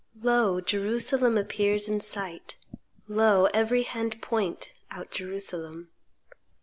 "Lo! Jerusalem appears in sight. Lo! every hand point, out Jerusalem.